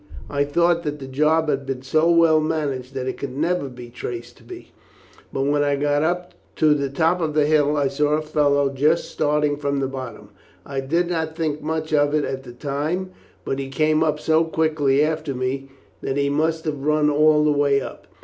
I thought that the job had been so well managed that it could never be traced to me, but when I got up to the top of the hill I saw a fellow just starting from the bottom. I did not think much of it at the time, but he came up so quickly after me that he must have run all the way up.